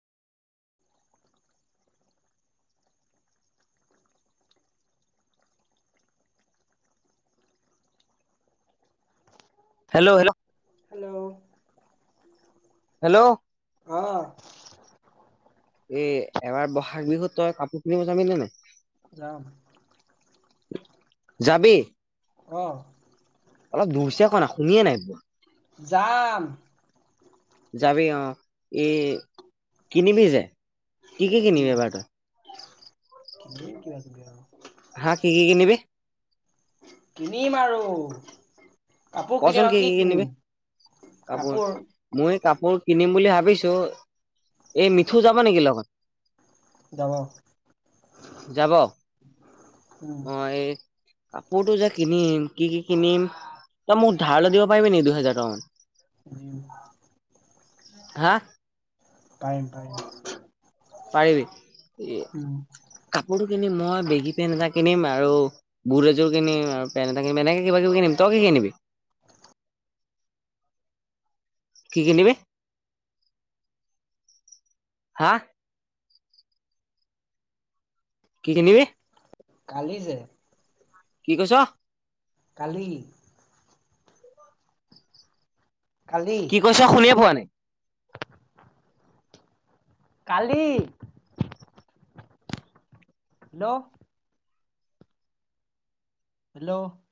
Hello hello hello hello অ' এ এবাৰ বহাগ বিহুত তই কাপোৰ কিনিব যাবি নে নাই যাম যাবি অহ অলপ জুৰছে ক না শুনিয়ে নাই যাম যাবি অ এই কিনিবি যে কি কি কিনিবি এবাৰ ত কিনে ক তম হা কি কি কি নিবি কিনিম আৰু, কাপোৰ কিনিম কচোন আৰু কি কি কিনিম কিনিবি কাপোৰ মই কাপোৰ, কিনিম বুলি ভাবিছো এই মিঠু যাব নেকি লগত যাব যাব উম অ' এই কাপোৰটো যে কিনিম কি কি কিনিম তই মোক ধাৰলৈৈ দিব পাৰিবি নেকি দুহেজাৰ টকামান [unintelligible] হাঁ পাৰিম পাৰিম। পাৰিবি উম ই কাপোৰটো কিনিম মই বেগী পেন এটা কিনম আৰু বুট এযোৰ কিনিম আৰু পেন এটা কিনম এনেকে কিবা কিবি কিনিম তই কি কিনিবি কিনিবি [inaudible] কি কিনিবি। হাঁ কি কিনিবি। কালি যে কি কৈছ কালি কালি কি কৈছ শুনিয়ে পোৱা নাই। কালি। হেল্ল'। হেল্ল'